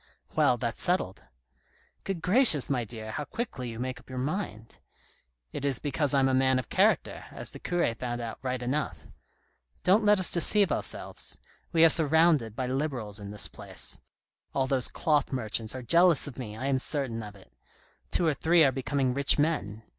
" Well, that's settled." " Good gracious, my dear, how quickly you make up your mind !"" It is because I'm a man of character, as the cure found out right enough. Don't let us deceive ourselves ; we are surrounded by Liberals in this place. All those cloth merchants are jealous of me, I am certain of it ; two or three are be coming rich men.